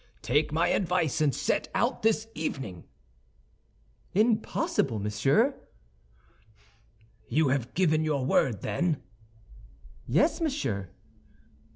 Take my advice and set out this evening." "Impossible, monsieur." "You have given your word, then?" "Yes, monsieur."